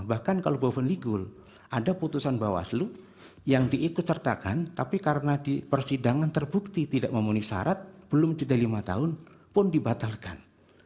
bahkan kalau boven leagul ada putusan bawaslu yang diikut sertakan tapi karena di persidangan terbukti tidak memenuhi syarat belum jeda lima tahun pun dibatalkan